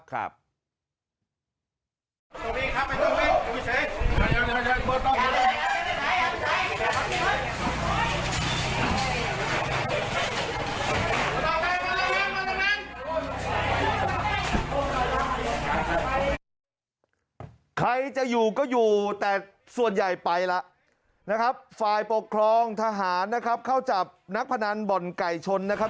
ใครจะอยู่ก็อยู่แต่ส่วนใหญ่ไปแล้วนะครับฝ่ายปกครองทหารนะครับเข้าจับนักพนันบ่อนไก่ชนนะครับ